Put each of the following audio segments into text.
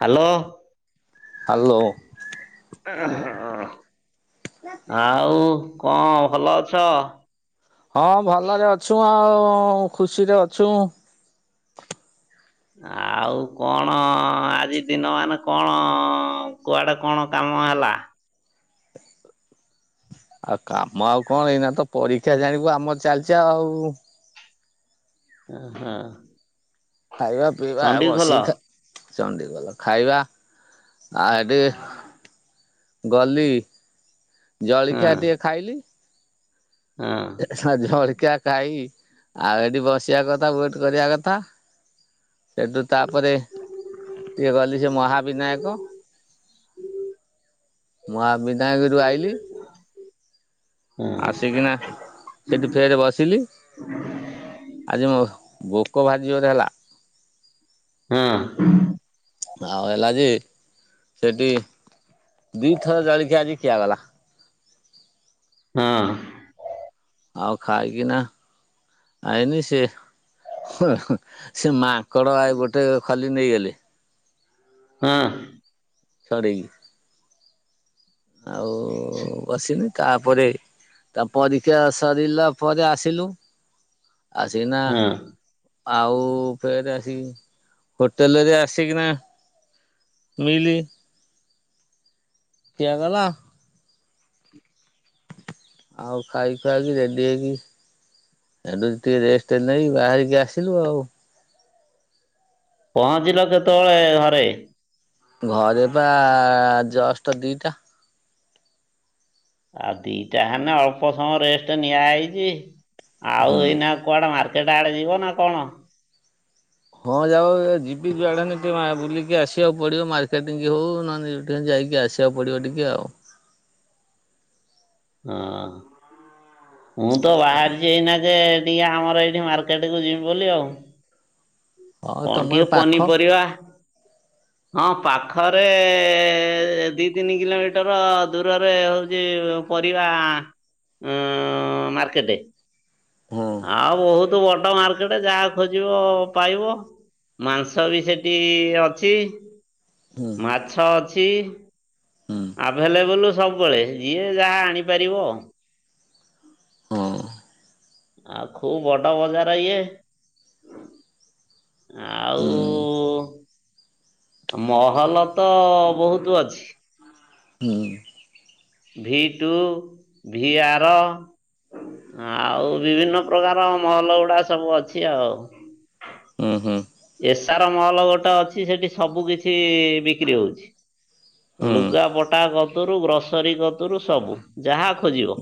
Hello, hello ହେଁ ହେଁ ହେଁ ହେଁ ହଁ। [unintelligible] ଆଉ କଣ ଭଲ ଅଛ? ହଁ ଭଲରେ ଅଛୁ ଆଉ ଖୁସିରେ ଅଛୁ। ଆଉ କଣ ଆଜି ଦିନ ମାନ କଣ କୁଆଡେ କଣ କାମ ହେଲା? ଆଉ କାମ ଆଉ କଣ ଏଇନା ତ ପରୀକ୍ଷା ଜାଣିବୁ ଆମର ଚାଲିଛି ଆଉ ଉଁହୁଁ। ଖାଇବା ପିଇବା ବସିକି ଖା ଚଣ୍ଡୀଗଲ ଖାଇବା ଆ ଏ ଟିକେ ଗଲି ଜଳଖିଆ ଟିକେ ଖାଇଲି। ହୁଁ। ସରି ଜଳୀଖିଆ ଖାଇ ଆଉ ଏଠି ବସିବା କଥା ୱେଟ କରିବା କଥା। ସେଠୁ ତାପରେ ଟିକେ ଗଲି ସେ ମହାବିନାୟକ। ମହାବିନାୟକରୁ ଆଇଲି। ହଁ ଆସିକିନା ସେଠୁ ଫେରେ ବସିଲି। ଆଜି ମୋ ଭୋକ ଭାରିଜୋରେ ହେଲା। ହୁଁ। ଆଉ ହେଲା ଯେ ସେଠି ଦିଇଥର ଜଳିଖିଆ ଆଜି ଖିଆଗଲା। ହଁଅ। ଆଉ ଖାଇକିିନା ଆଇନି ସେ ହେ ହେ ସେ ମା କଡ଼ ଆଈ ଗୋଟେ ଖଲି ନେଇଗଲେ। ହଁ ସଡେଇ। ଆଉ ବସିନି ତାପରେ ତା ପରୀକ୍ଷା ସରିଲା ପରେ ଆସିଲୁ। ଆସିକିନା ହଁ ଆଉ ଫେରେ ଆସିିକି ହୋଟେଲରେ ଆସିକିନା ଉଇଲେ ଖିଆଗଲା। ଆଉ ଖାଇ ଖୁଆକି ରେଡି ହେଇକି ସେଠୁ ଟିକେ ରେଷ୍ଟ ନେଇ ବାହାରିକି ଆସିଲୁ ଆଉ। ପହଞ୍ଚିଲ କେତେବେଳେ ଘରେ? ଘରେ ପା ଜଷ୍ଟ ଦିଟା। ଆଉ ଦିଟା ହେନେ ଅଳ୍ପ ସମୟ ରେଷ୍ଟ ନିଆ ହେଇଛି ଆଉ ହୁଁ। ଏଇନା କୁଆଡେ ମାର୍କେଟ ଆଡେ ଯିବ ନା କଣ? ହଁ ଯାଉ ଯିବି ଯୁଆଡେ ହେନେ ଟିକେ ବୁଲିକି ଆସିବାକୁ ପଡିବ ମାର୍କେଟିଂ କି ହଉ ନହନେ ତେ ଯାଇକି ଆସିବାକୁ ପଡିବ ଟିକେ ଆଉ। ହଁ ମୁଁ ତ ବାହାରି ସେଇନାକେ ଟିକେ ଆମର ଏଇଠି ମାର୍କେଟ କୁ ଯିବି ବୋଲି ଆଉ। ହଁ କଣ ତମର ଟିକେ ପାଖ ପନିପରିବା ହଁ ପାଖରେ ଦି ତିନି କିଲୋମିଟର ଦୂରରେ ହଉଛି ପରିବା ଅଁ ମାର୍କେଟ। ହଁ। ଆଉ ବହୁତ ବଡ ମାର୍କେଟ ଯାହା ଖୋଜିବ ପାଇବ। ମାଂସ ବି ସେଠି ଅଛି ହୁଁ ମାଛ ଅଛି। ହୁଁ ଆଭେଲେବଲ୍ ସବୁବେଳେ ଯିଏ ଯାହା ଆଣିପାରିବ। ହଁ। ଆଉ ଖୁବ ବଡ ବଜାର ଇଏ। ଆଉ ହୁଁ ଉ ମହଲ ତ ବହୁତ ଅଛି। ହୁଁ ଭି ଟୁ ଭି ଆର ଆଉ ବିଭିନ୍ନ ପ୍ରକାର ମହଲ ଗୁଡା ସବୁ ଅଛି ଆଉ। ଉ ହୁଁ। ଏସଆର ମହଲ ଗୋଟେ ଅଛି ସେଠି ସବୁ କିଛି ବିକ୍ରି ହଉଛି। ଲୁଗାପଟା କତରୁ ଗ୍ରୋସରୀ କତୁରୁ ସବୁ ଯାହା ଖୋଜିବ।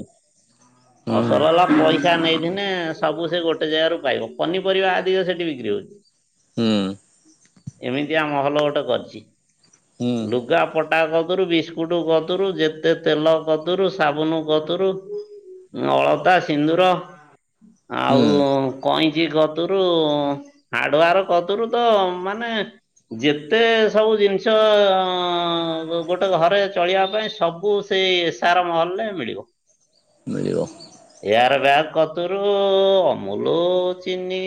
ହୁଁ ଅସଲ ହେଲା ପଇସା ନେଇଥିନେ ସବୁ ସେ ଗୋଟେ ଜାଗାରୁ ପାଇବ ପନିପରିବା ଆଧିକ ସେଠି ବିକ୍ରି ହଉଛି। ହୁଁ। ଏମିତି ଆ ମହଲ ଗୋଟେ କରିଛି। ହୁଁ ଲୁଗା ପଟା କଦୁରୁ ବିସ୍କୁଟ କଦୁରୁ ଯେତେ ତେଲ କଦୁରୁ ସାବୁନ କଦୁରୁ ଅଳତା ସିନ୍ଦୁର ହୁଁ ଆଉ କଇଁଚି କତରୁ ହାର୍ଡ଼ୱାର୍। କଦରୁ ତ ମାନେ ଯେତେ ସବୁ ଜିନିଷ ହଁ ଗୋଟେ ଘରେ ଚଳିବା ପାଇଁ ସବୁ ସେଇ ଏସ୍ଆର ମହଲରେ ମିଳିବ। ମିଳିବ। ଏୟାର ବ୍ୟାଗ କତରୁ ଅମୁଲ ଚିନି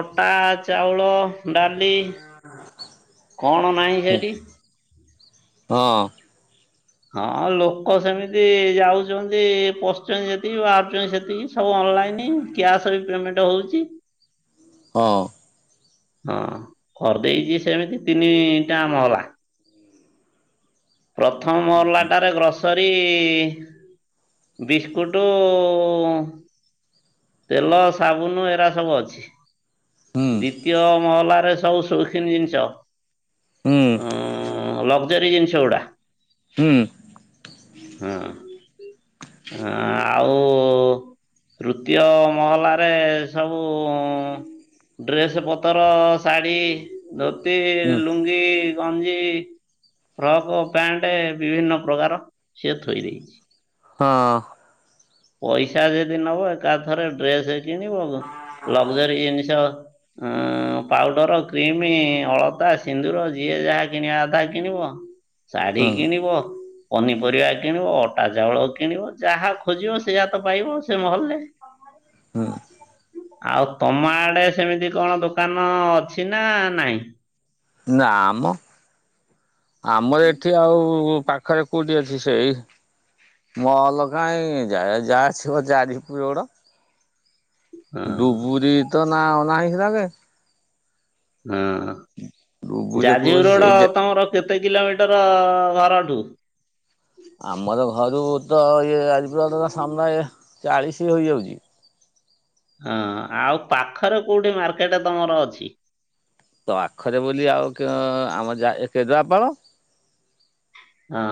ଅଟା ଚାଉଳ, ଡାଲି। କଣ ନାହିଁ ହଁ ସେଠି। ହଁ। ହଁ ଲୋକ ସେମିତି ଯାଉଛନ୍ତି ପଶୁଛନ୍ତି ଜେତିକି ବାହାରୁଛନ୍ତି ସେତି ସବୁ ଅନଲାଇନ କ୍ୟାସ ବି ପେମେଣ୍ଟ ହଉଛି। ହଁ। ହଁ କରିଦେଇଛି ସେମିତି ତିନିଟା ମହଲା। ପ୍ରଥମ ମହଲାଟାରେ ଗ୍ରସ୍ ଗ୍ରୋସରି ଇ ବିସ୍କୁଟ ତେଲ ସାବୁନ ଏରା ସବୁ ଅଛି ହୁଁ ଦ୍ଵିତୀୟ ମହଲାରେ ସବୁ ସୁ ସୌକୁନି ଜିନିଷ ହୁଁ ଉଁ ଲକ୍ଜରୀ ଜିନିଷ ଗୁଡା। ହୁଁ। ହଁ ହ ଆଉ ଦ୍ୱିତୀୟ ମହଲାରେ ସବୁ ଡ୍ରେସ ପତର ଶାଢ଼ୀ, ଧୋତି, ହୁଁ ଲୁଙ୍ଗି, ଗଞ୍ଜି ଫ୍ରକ୍ ପ୍ୟାଣ୍ଟ ବିଭିନ୍ନ ପ୍ରକାର ସିଏ ଥୋଇ ଦେଇଛି। ହଁ। ପଇସା ଯଦି ନବ ଏକା ଥରେ ଡ୍ରେସ କିଣିବ ଲକ୍ଜରୀ ଜିନିଷ ଅଁ ପାଉଡର, କ୍ରିମି, ଅଳତା, ସିନ୍ଦୁର ଯିଏ ଯାହା କିଣିବା କଥା କିଣିବ। ଶାଢୀ ହୁଁ କିଣିବ, ପନିପରିବା କିଣିବ, ଅଟା, ଚାଉଳ କିଣିବ ଯାହା ଖୋଜିବ ସେଇଆ ତ ପାଇବ ସେ ମହଲରେ। ହଁ। ଆଉ ତମ ଆଡେ ସେମିତି କଣ ଦୋକାନ ଅଛି ନା ନାଇଁ? ନା ଆମ ଆମର ଏଠି ଆଉ ପା ଖରେ କୁଦି ଅଛି ସେଇ ମଲ କାଇଁ ଯା ଯାହାସିବ ଚାରି ପୁର ଗୋଡ। ହଁ [unintelligible] ହଁ ଡୁବୁରି ଯାଜପୁର କହୁଛି ସେଇ ରୋଡ ଯେ ତମର କେତେ କିଲୋମିଟର ଘରଠୁ। ଆମର ଘରୁ ତ ଇଏ ଆଜି ପାନ୍ତ ସାମ୍ନା ଏ ଚାଳିଶ ହୋଇଯାଉଛି। ହଁ ଆଉ ପାଖରେ କୋଉଠି ମାର୍କେଟ ତମର ଅଛି? ତ ପାଖରେ ବୋଲି କ ଆଉ ଆମ ଯା କେଦୁଆପାଳ। ହଁ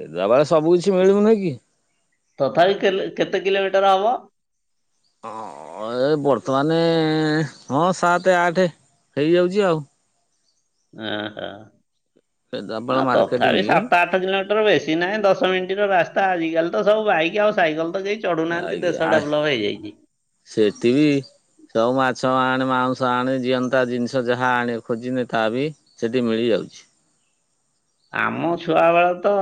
କେଦୁଆପାଳ ସବୁ କିଛି ମିଳିବନି କି? ତଥାପି କେଲେ କେତେ କିଲୋମିଟର ହବ? ହଁ ଏ ବର୍ତ୍ତମାନ ହଁ ସାତ ଆଠ ହେଇଯାଉଛି ଆଉ। ଓ କେନ୍ଦ୍ରାପାଳ ହ ମାର୍କେଟିଂ ତଥାପି ସାତ ଆ ଆଠ କିଲୋମିଟର ବେଶୀ ନାହିଁ ଦଶ ମିନିଟର ରାସ୍ତା ଆଜିକାଲି ତ ସବୁ ବାଇକ୍ ଆଉ ସାଇକେଲ ତ ଯାଇଛି। ଭାଇ ଆସେ ସେତିକି ସବୁ ମାଛ ଆଣେ ମାଉଁସ ଆଣି ଜିଅନ୍ତା ଜିନିଷ ଯାହା ଆଣ ଖୋଜିନେ ତା ବି ସେଠି ମିଳିଯାଉଛି। ଆମ ଛୁଆ ବେଳେ ତ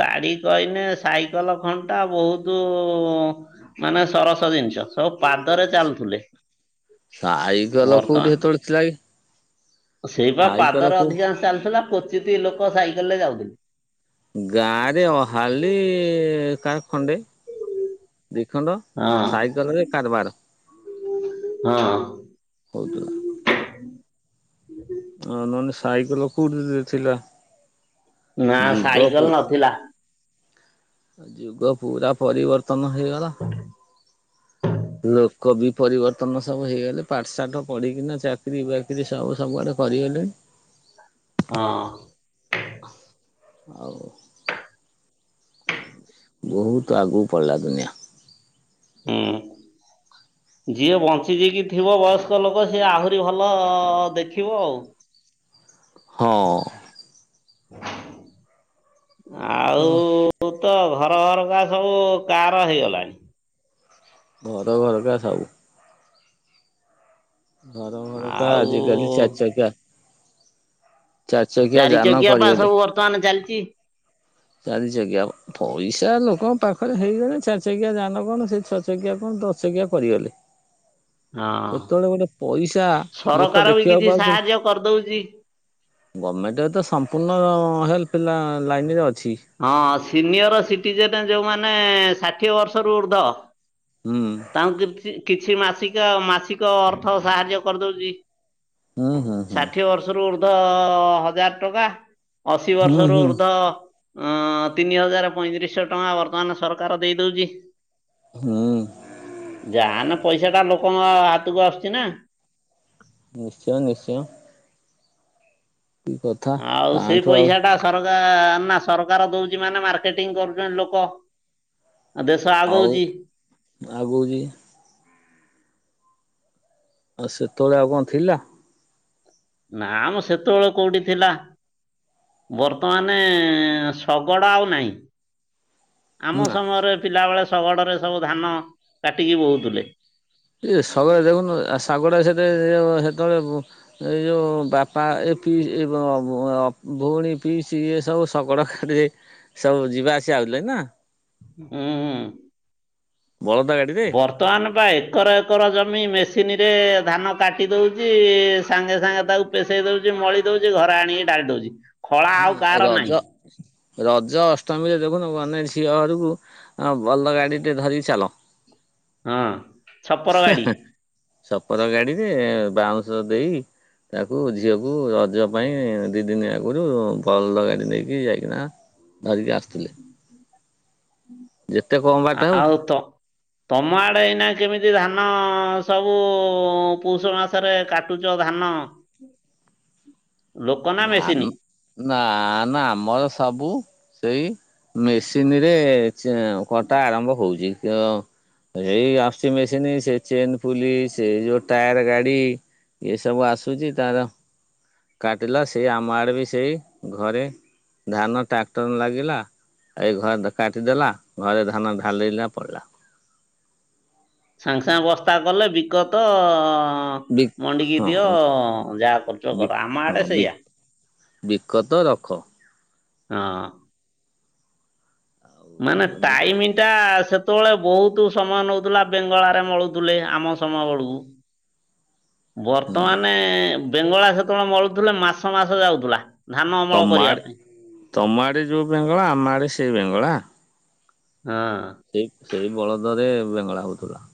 ଗାଡ଼ି କହିନେ ସାଇକେଲ ଖଣ୍ଟା ବହୁତ ତୁ ମାନେ ସରସ ଜିନିଷ ସବୁ ପାଦରେ ଚାଲୁଥିଲେ। ସାଇ ଗଲ କୋଉଠି ସେତେବେଳେ ଥିଲା କି? ସେଇପା ସାଇକଲ ପାଦରେ କୋଉ ଅଧିକାଂଶ ଚାଲିଥିଲା କୋଚିତ୍ ଲୋକ ସାଇକେଲ ରେ ଯାଉଥିଲେ। ଗାଁ ରେ ଅହାଲି କାହାର ଖଣ୍ଡେ ଦିଖଣ୍ଡ ହଁ ସାଇକେଲରେ କାରବାର ହଁ ହଉଥିଲା। ଅ ନହେଲେ ସାଇକେଲ କୋଉଠି ଥିଲା? ନା ଯୁଗ ପୁ ସାଇକେଲ ନଥିଲା। ଯୁଗ ପୁରା ପରିବର୍ତନ ହେଇଗଲା। ଲୋକ ବି ପରିବର୍ତ୍ତନ ସବୁ ହେଇଗଲେ ପାଠ ସାଠ ପଢିକିନା ଚାକିରୀ ବାକିରି ସୁ ସବୁଆଡେ କରିଗଲେ। ହଁ। ଆଉ। ବହୁତ ଆଗକୁ ପଳେଇଲା ଦୁନିଆଁ। ହୁଁ [inaudible] ଯିଏ ବଞ୍ଚିଯାଇକି ଥିବ ବୟସ୍କ ଲୋକ ସିଏ ଆହୁରି ଭଲ ଦେଖିବ ଆଉ। ହଁ। ଆଉ ତୁ ତ ଘର ଘର କା ସବୁ କାର ହେଇଗଲାଣି। ଘର ଘରକା ସବୁ। ଘର ଘରକା ଆଉ ଆଜିକାଲି ଚାରି ଚକକିଆ। ଚାରି ଚକିଆ ଯାନ ଚକିଆ ପା କରିଗଲେ ସବୁ ବର୍ତ୍ତମାନ ଚାଲିଛି। ଚାରି ଚକିଆ। ପଇସା ଲୋକଙ୍କ ପାଖରେ ହେଇଗଣି ଚାରି ଚକିଆ ଜାନ କଣ ସେ ଛଅ ଚକିଆ କଣ ଦଶ ଚକିଆ କରିଗଲେ। ହଁ ସେତେବେଳେ ଗୋଟେ ପଇସା ଲୋକ ଦେଖିବାକୁ ପାଉଥି କରିଦଉଚି। ଗମେଣ୍ଟରେ ତ ସମ୍ପୂର୍ଣ୍ଣ ହେଲ୍ପ ପିଲା ଲାଇନରେ ଅଛି। ହଁ ସିନିୟର ସିଟିଜେନ ଯୋଉମାନେ ଷାଠିଏ ବର୍ଷରୁ ଉର୍ଦ୍ଧ। ହୁଁ ତାଙ୍କୁ କିଛି କିଛି ମାସିକା ମାସିକ ଅର୍ଥ ସାହାଯ୍ୟ କରିଦଉଚି। ହୁଁ ହୁଁ ହୁଁ ଷାଠିଏ ବର୍ଷରୁ ଉର୍ଦ୍ଧ ହଜାର ଟଙ୍କା। ଅଶୀ ହୁଁ ବର୍ଷରୁ ହୁଁ ଉର୍ଦ୍ଧ ଅଁ ତିନି ହଜାର ପଇଁତିରିଶିଶହ ଟଙ୍କା ବର୍ତ୍ତମାନ ସରକାର ଦେଇ ଦଉଚି। ହୁଁ। ଯାନା ପଇସା ଟା ଲୋକଙ୍କ ହାତକୁ ଆସୁଚି ନା। ନିଶ୍ଚୟ ନିଶ୍ଚୟ। କି କଥା ଆଉ ସେଇ ତାଠୁ ଆଉ ପଇସା ଟା ସରକା ନା ସରକାର ଦଉଚି ମାନେ ମାର୍କେଟିଂ କରୁଚନ୍ତି ଲୋକ। ଆ ଦେଶ ଆଗୋଉଚି। ଆଗୋଉଚି। ଆଉ ସେତେବେଳେ ଆଉ କଣ ଥିଲା। ନାଁ ମ ସେତେବେଳେ କୋଉଠି ଥିଲା। ବର୍ତ୍ତମାନେ ଶଗଡ଼ ଆଉ ନାହିଁ। ଆମ ନା ସମୟରେ ପିଲାବେଳେ ଶଗଡ଼ରେ ସବୁ ଧାନ କାଟିକି ବୋହୁଥିଲେ। ଏ [unintelligible] ଦେଖୁନୁ ଶାଗଟା ସେତେ [unintelligible] ହେତେବେଳେ [unintelligible] ଏଇ ଯୋଉ ବାପା ଏ ପିଇ-ଇ-ବଅ-ବଅ ଭଉଣୀ ପିଇସି ଇଏ ସବୁ ଶଗଡ଼ ଖାଡିରେ ସବୁ ଯିବା ଆସିବା ହଉଥିଲେ ନା। ଉଁ ବଳଦ ଗାଡିରେ ବର୍ତ୍ତମାନ ପା ଏକର ଏକର ଜମି ମେସିନରେ ଧାନ କାଟି ଦଉଚି ସାଙ୍ଗେ ସାଙ୍ଗେ ତାକୁ ପେସେଇ ଦଉଚି ମଳି ଦଉଚି ଘରେ ଆଣିକି ଢ଼ାଳି ଦଉଚି ଖଳା ହଁ ଆଉ କାହାର ରଜ ନାହିଁ। ରଜ, ଅଷ୍ଟମୀରେ ଦେଖୁନୁ ମାନେ ଝିଅ ଘରକୁ ବଲଦ ଗାଡି ଟେ ଧରିକି ଚାଲ। ହଁ। ଛପର ହେଁ ଗାଡି ହେଁ ସପର ଗାଡିରେ ବାଉଁଶ ଦେଖିକି ତାକୁ ଝିଅକୁ ରଜ ପାଇଁ ଦୁଇ ଦିନ ଆଗରୁ ପଲ ଗାଡ଼ି ନେଇକି ଯାଇକିନା ଧରିକି ଆସୁଥିଲେ। ଯେତେ କମ୍ ବାଟ ହଉ ଆଉ ତ ତମ ଆଡେ ଏଇନା କେମିତି ଧାନ ସବୁ ପୌଷ ମାସରେ କାଟ ଟୁଚ ଧାନ। ଲୋକ ନା ମେସିନି? ଧାନ ନା ନା ଆମର ସବୁ ସେଇ ମେସିନ ରେ ଚେ କଟା ଆରମ୍ଭ ହଉଚି କ ‌ ଏଇ ଆସୁଚି ମେସିନ ସେ ଚେନ ପୁଲି ସେଇ ଯୋଉ ଟାୟାର ଗାଡି ଏଇସବୁ ଆସୁଚି ତାର କାଟିଲା ସେ ଆମ ଆଡ଼େ ବି ସେଇ ଘରେ ଧାନ ଟ୍ରାକ୍ଟର ଲାଗିଲା। ଏଇ ଘରେ କାଟି ଦେଲା ଘରେ ଧାନ ଢାଲିଲା ପଳେଇଲା। ସାଙ୍ଗେ ସାଙ୍ଗେ ବସ୍ତା କଲେ ବିକତ ବି ଅ ମଣ୍ଡିିକି ଦିଅ ହଁ ଯାହା କରୁଚ କର ଆମ ଆଡେ ସେଇଆ। ବିକତ ରଖ। ହଁ। ଆଉ ମାନେ ଏମିତି ଟାଇମ ଟା ସେ ସେତେବେଳେ ବହୁତ ସମୟ ନେଉଥିଲା ବେଙ୍ଗଳା ରେ ମଳୁଥିଲେ ଆମ ସମୟ ବେଳକୁ। ହୁଁ ବର୍ତ୍ତମାନ ବେଙ୍ଗଳା ସେତେବେଳେ ମଳୁଥିଲେ ମାସ ମାସ ଯାଉଥିଲା। ଧାନ ଅମଳ ତମ କରିବା ଆଡ଼େ ପାଇଁ ତମ ଆଡ଼େ ଯେଉଁ ବେଙ୍ଗଳା ଆମ ଆଡ଼େ ସେଇ ବେଙ୍ଗଳା। ହଁ। ସେଇ ସେଇ ବଳଦରେ ବେଙ୍ଗଳା ହଉଥିଲା।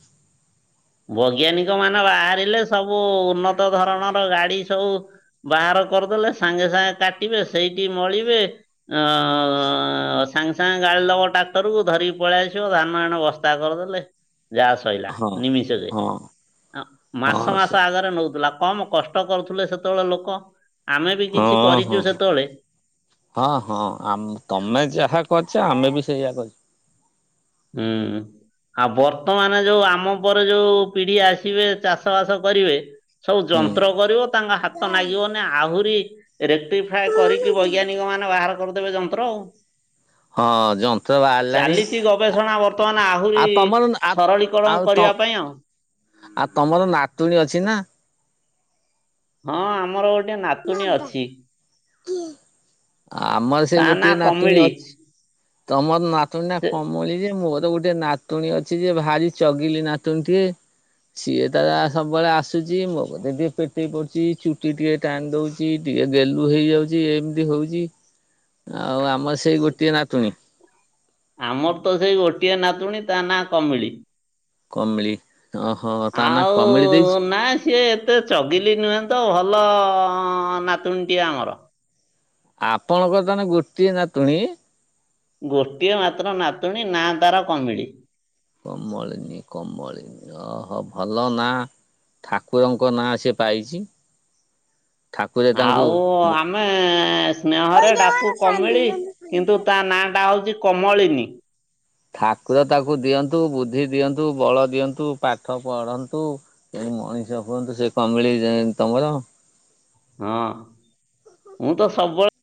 ବୈଜ୍ଞାନିକ ମାନେ ବାହାରିଲେ ସବୁ ଉନ୍ନତ ଧରଣର ଗାଡି ସବୁ ବାହାର କରିଦେଲେ ସାଙ୍ଗେ ସାଙ୍ଗେ କାଟିବେ ସେଇଠି ମଳିବେ ଅ ସାଙ୍ଗେ ସାଙ୍ଗେ ଗାଳି ଲବ ଟ୍ରାକ୍ଟର କୁ ଧରିକି ପଳେଇ ଆସିବ ଧାନ ଏଣ ବସ୍ତା କରିଦେଲେ ଯାହା ସଇଲା ହଁ ନିମିଷକେ ହଁ ମାସ ହଁ ମାସ ସେ ଆ ଜରେ ନଉଥିଲା କମ୍ କଷ୍ଟ କରୁଥିଲେ ସେତେବେଳେ ଲୋକ। ଆମେ ବି ହଁ କିଛି କରିଛୁ ହଁ ହଁ। ସେତେବେଳେ ହଁ ହଁ ଆମ ତମେ ଯାହା କରିଛ ଆମେ ବି ସେଇୟା କରିଛେ ହୁଁ। ଆଉ ବର୍ତ୍ତମାନ ଯୋଉ ଆମ ପରେ ଯୋଉ ପିଢି ଆସିବେ ଚାଷ ବାସ କରିବେ ସବୁ ହୁଁ ଯନ୍ତ୍ର କରିବ ତାଙ୍କ ହାତ ନାଗିବ ନା ଆହୁରି ରେକ୍ଟ୍ରିଫାଏ କରିକି ବୈଜ୍ଞାନିକ ମାନେ ବାହାର କରିଦେବେ ଯନ୍ତ୍ର ଆଉ ହଁ ଯନ୍ତ୍ର ବାହାରିଲାଣି ଚାଲିଛି ଗବେଷଣା ବର୍ତ୍ତମାନ ଆହୁରି ଆଉ ତମର ଆ ସରଳୀକରଣ ଆଉ ତ କରିବା ପାଇଁ ଆଉ ଆଉ ତମର ନାତୁଣୀ ଅଛି ନା? ହଁ ଆମର ଗୋଟେ ନାତୁଣୀ ଅଛି। ଆମର ତା ସେଇ ନାଁ ଗୋଟିଏ ନାତୁଣୀ କମିଳି। ଅଛି। ତମର ନାତୁଣୀ ନା ସେ କମଳି ଯେ ମୋର ଗୋଟେ ନାତ ତୁଣି ଅଛି ଯେ ଭାରି ଚଗିଲି ନାତୁଣି ଟିଏ। ସିଏ ତା ସବୁବେଳେ ଆସୁଛି ମୋ ବଧେ ଟିକେ ପେଟେଇ ପଡୁଛି ଚୁଟି ଟିକେ ଟାଣି ଦଉଛି ଟିକେ ଗେଲୁ ହେଇଯାଉଛି ଏମିତି ହଉଛି ଆଉ ଆମେ ସେଇ ଗୋଟିଏ ନାତୁଣୀ? ଆମର ତ ସେଇ ଗୋଟିଏ ନାତୁଣୀ ତା ନାଁ କମଳି। କମିଳି ଓହୋ ତା ନା ଆଉ କମିଳି ଦେଇଛି ନା ସିଏ ଏତେ ଚଗିଲି ନୁହେଁ ତ ଭଲ ନାତୁଣୀଟିଏ ଆମର। ଆପଣଙ୍କ ତାହାଲେ ଗୋଟିଏ ନାତୁଣୀ। ଗୋଟିଏ ମାତ୍ର ନାତୁଣୀ ନାଁ ତାର କମିଳି। କମଳିନୀ କମଳିନୀ ଅହ ଭଲ ନା। ଠାକୁରଙ୍କ ନାଁ ସେ ପାଇଛି। ଠାକୁରେ ତାଙ୍କୁ ଆଉ ଆମେ ସ୍ନେହରେ କହିଦେ ମ ଡାକୁ ସାନ୍ଭି କମିଳି। ନହେଲେ ସାନ୍ଭି କିନ୍ତୁ ତା ନାଁ ଟା ହଉଛି କମଳିନୀ। ଠାକୁର ତାକୁ ଦିଅନ୍ତୁ ବୁଦ୍ଧି ଦିଅନ୍ତୁ, ବଳ ଦିଅନ୍ତୁ, ପାଠ ପଢନ୍ତୁ। ତେଣୁ ମଣିଷ ହୁଅନ୍ତୁ ସେ କମଳି ତମର। ହଁ ମୁଁ ତ ସବୁବେଳେ